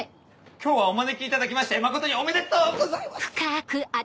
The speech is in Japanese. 今日はお招きいただきまして誠におめでとうございます。